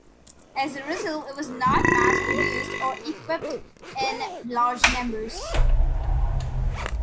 As a result, it was not mass produced or equipped in large numbers.